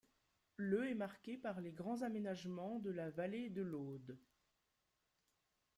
Le est marqué par les grands aménagements de la vallée de l'Aude.